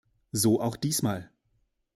So auch diesmal!